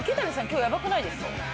今日ヤバくないですか？